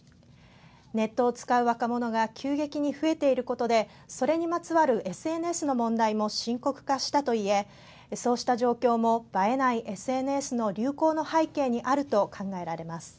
ネットを使う若者が急激に増えていることでそれにまつわるＳＮＳの問題も深刻化したといえそうした状況も映えないＳＮＳの流行の背景にあるはい。